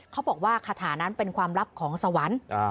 เขาบอกว่าคาถานั้นเป็นความลับของสวรรค์